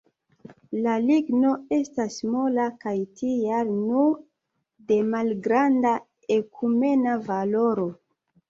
La ligno estas mola kaj tial nur de malgranda ekumena valoro.